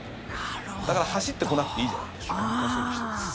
だから走ってこなくていいじゃないですか。